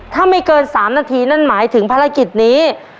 ถ้าไม่เกิน๓นาทีนั่นหมายถึงภารกิจนี้